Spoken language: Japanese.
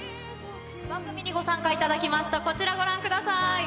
番組にご参加いただきますと、こちら、ご覧ください。